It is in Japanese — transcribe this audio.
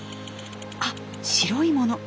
あっ白いもの。